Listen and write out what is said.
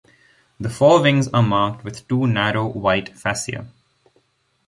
The forewings are marked with two narrow, white fascia.